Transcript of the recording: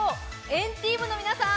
＆ＴＥＡＭの皆さん